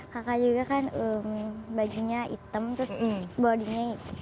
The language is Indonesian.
kakak juga kan bajunya item terus bodinya